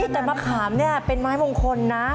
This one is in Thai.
แต่มะขามเนี่ยเป็นไม้มงคลนะ